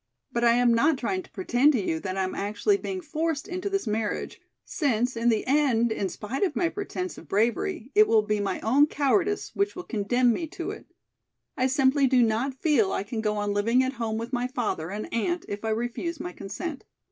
But I am not trying to pretend to you that I am actually being forced into this marriage, since in the end in spite of my pretence of bravery it will be my own cowardice which will condemn me to it. I simply do not feel I can go on living at home with my father and aunt if I refuse my consent.